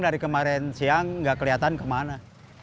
dari kemarin siang gak keliatan kemana